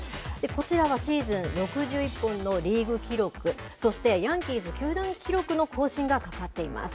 こちらはシーズン６１本のリーグ記録、そしてヤンキース球団記録の更新がかかっています。